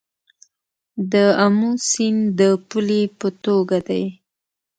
د امو سیند د پولې په توګه دی